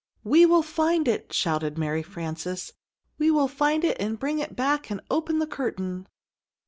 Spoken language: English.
"We will find it!" shouted Mary Frances. "We will find it and bring it back and open the curtain!"